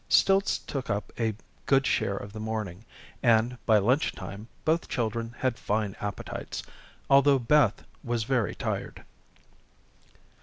Stilts took up a good share of the morning, and, by lunch time, both children had fine appetites, although Beth was very tired.